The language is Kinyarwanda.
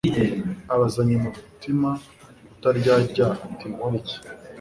abazanya umutima utaryarya ati: «nkore nte?»